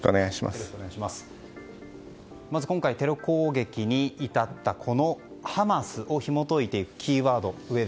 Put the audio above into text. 今回テロ攻撃に至ったハマスをひも解いていくキーワード。